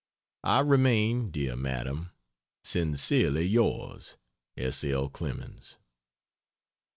I remain, dear madam, Sincerely yours, S. L. CLEMENS.